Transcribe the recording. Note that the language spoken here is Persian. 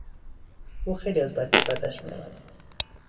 او خیلی از بچه بدش میآمد.